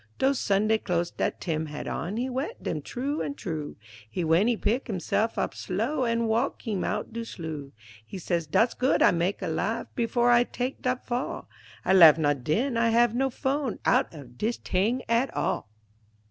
Dose Sunday close dat Tim had on He wet dem t'roo an' t'roo, An' w'en he pick himse'f op slow An' walk heem out de sloo, He say, "Dat's good I mak' a laugh Before I tak' dat fall; I laugh not den, I hav' no fone Out of dis t'ing at all."